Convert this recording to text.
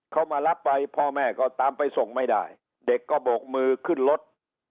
เขามารับไปพ่อแม่ก็ตามไปส่งไม่ได้เด็กก็โบกมือขึ้นรถ